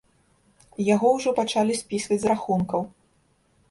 Яго ўжо пачалі спісваць з рахункаў.